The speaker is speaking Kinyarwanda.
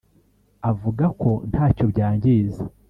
avuga ko ntacyo byangiza.